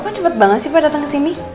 kenapa cepet banget sih pak datang kesini